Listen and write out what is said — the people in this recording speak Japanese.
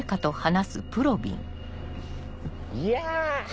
いや。